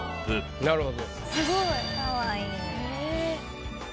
なるほど。